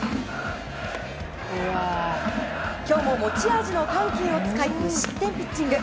今日も持ち味の緩急を使い無失点ピッチング。